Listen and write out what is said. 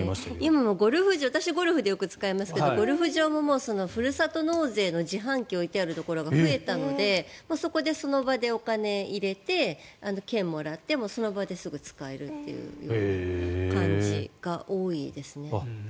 今もゴルフ場私もゴルフでよく使いますけどゴルフ場もふるさと納税の自販機を置いてあるところが増えたのでそこでその場でお金を入れて券をもらって、その場ですぐ使えるっていう感じが多いですね。